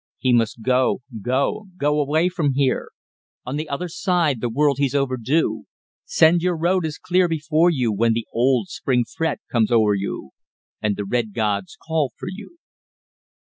He must go go go away from here! On the other side the world he's overdue. 'Send your road is clear before you when the old Spring fret comes o'er you And the Red Gods call for you!"